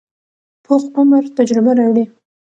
پوخ عمر تجربه راوړي